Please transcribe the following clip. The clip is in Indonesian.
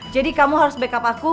jadi kamu harus backup aku